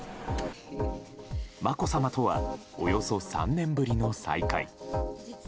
まこさまとはおよそ３年ぶりの再会。